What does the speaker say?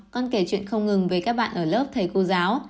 con kể chuyện không ngừng với các bạn ở lớp thầy cô giáo